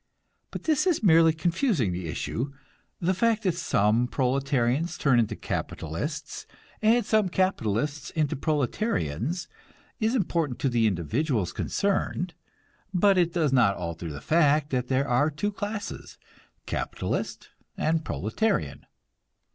But this is merely confusing the issue. The fact that some proletarians turn into capitalists and some capitalists into proletarians is important to the individuals concerned, but it does not alter the fact that there are two classes, capitalist and proletarian.